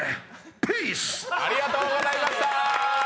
Ｐｅａｃｅ★ありがとうございました！